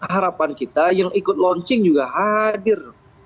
harapan kita yang ikut launching juga hadir